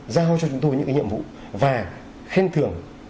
giao cho chúng tôi những cái nhiệm vụ và khen thưởng